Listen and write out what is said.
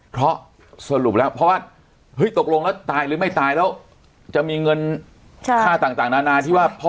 เพราะสรุปล่ะเห้ยตกลงแล้วตายหรือไม่ตายแล้วจะมีเงินค่าต่างนาน